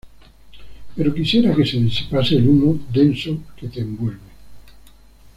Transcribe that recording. Pero quisiera que se disipase el humo denso que te envuelve.